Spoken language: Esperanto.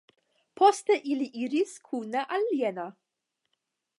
Poste ili iris kune al Jena.